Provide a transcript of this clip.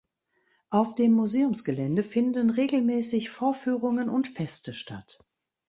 Auf dem Museumsgelände finden regelmäßig Vorführungen und Feste statt.